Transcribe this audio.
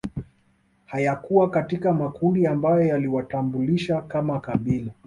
Hayakuwa katika makundi ambayo yaliwatambulisha kama kabila